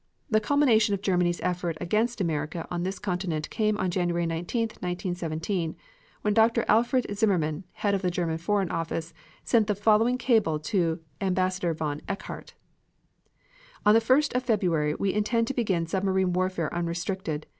The culmination of Germany's effort against America on this continent came on January 19, 1917, when Dr. Alfred Zimmerman, head of the German Foreign Office, sent the following cable to Ambassador von Eckhardt: On the first of February we intend to begin submarine warfare unrestricted.